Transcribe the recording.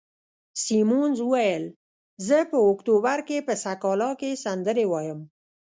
سیمونز وویل: زه په اکتوبر کې په سکالا کې سندرې وایم.